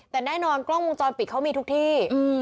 แต่แน่นอนกล้องมุมจอดปิดเขามีทุกที่อืม